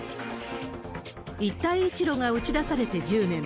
一帯一路が打ち出されて１０年。